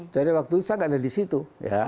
jadi waktu itu saya tidak ada di situ ya